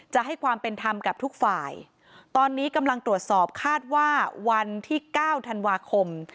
จะให้ความเป็นธรรมกับทุกฝ่ายตอนนี้กำลังตรวจสอบคาดว่าวันที่เก้าธันวาคม